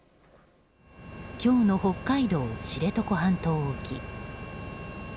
今日の北海道知床半島沖。